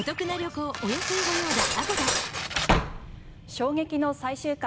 衝撃の最終回。